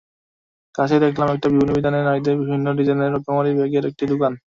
কাছেই দেখলাম একটি বিপণিবিতানে নারীদের বিভিন্ন ডিজাইনের রকমারি ব্যাগের একটি দোকান।